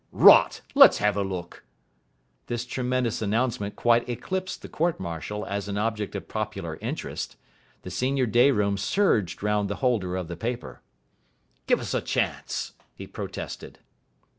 "Rot! Let's have a look!" This tremendous announcement quite eclipsed the court martial as an object of popular interest. The senior day room surged round the holder of the paper. "Give us a chance," he protested.